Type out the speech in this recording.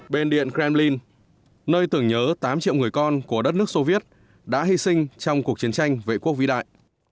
bên điện kremlin nơi tưởng nhớ tám triệu người con của đất nước soviet đã hy sinh trong cuộc chiến tranh vệ quốc vĩ đại